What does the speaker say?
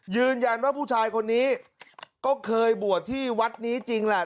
ยืนยันว่าผู้ชายคนนี้ก็เคยบวชที่วัดนี้จริงแหละ